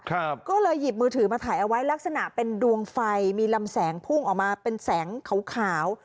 เขาจะหยิบมือถือมาไหวลักษณะเป็นดวงไฟหลำแสงพรุงออกมาเป็นแสงขาว